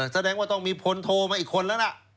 แสดงว่าต้องมีพลโทรมาอีกคนแล้วล่ะ